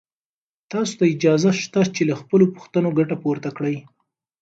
تاسو ته اجازه شته چې له خپلو پوښتنو ګټه پورته کړئ.